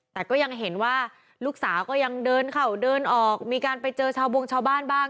แต่ก็ยังเห็นว่าลูกสาวก็ยังเดินเข่าเดินออกมีการไปเจอชาวบงชาวบ้านบ้าง